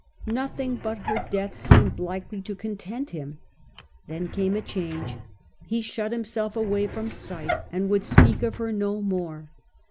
Nothing but her death seemed likely to content him. Then came a change ; he shut himself away from sight, and would speak of her no more.